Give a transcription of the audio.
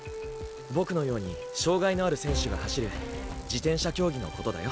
ボクのように障がいのある選手が走る自転車競技のことだよ。